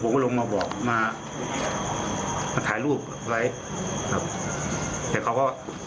ขอบคุณเลยต้องป้องกันตัว